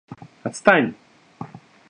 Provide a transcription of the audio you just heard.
Отстань!